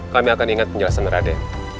kami akan ingat penjelasan raden